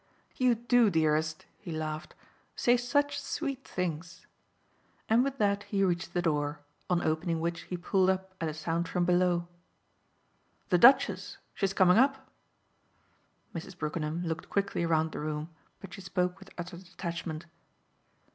"You do, dearest," he laughed, "say such sweet things!" And with that he reached the door, on opening which he pulled up at a sound from below. "The Duchess! She's coming up." Mrs. Brookenham looked quickly round the room, but she spoke with utter detachment.